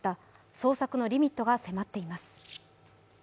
捜索のリミットが迫っています。